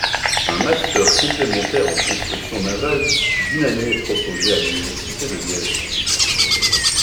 Un Master complémentaire en construction navale d'une année est proposé à l'Université de Liège.